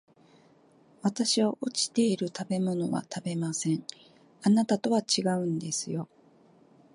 私は落ちている食べ物を食べません、あなたとは違うんですよ